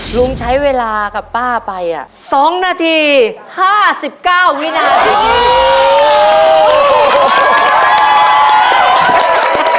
ลุงใช้เวลากับป้าไป๒นาที๕๙วินาที